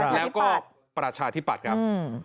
แล้วก็ประชาธิปัตย์ครับ